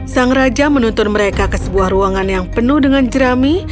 sang raja menuntun mereka ke sebuah ruangan yang penuh dengan jerami